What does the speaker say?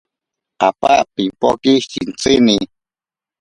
Apa pimpoke shintsini.